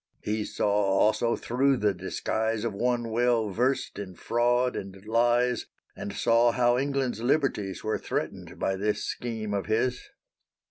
He saw also thro' the disguise Of one well versed in fraud and lies, And saw how England's liberties Were threatened by this scheme of his.